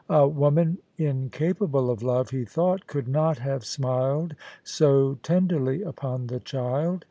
A woman incapable of love, he thought, could not have smiled so tenderly upon the child.